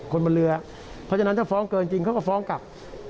คนบนเรือเพราะฉะนั้นถ้าฟ้องเกินจริงเขาก็ฟ้องกลับ